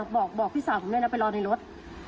บอกพี่สาวผมด้วยนะไปรอในรถ